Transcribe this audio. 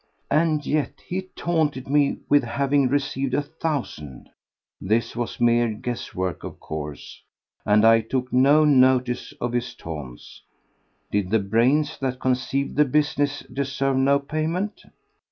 And yet he taunted me with having received a thousand. This was mere guesswork, of course, and I took no notice of his taunts: did the brains that conceived the business deserve no payment?